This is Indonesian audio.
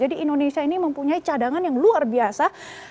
indonesia ini mempunyai cadangan yang luar biasa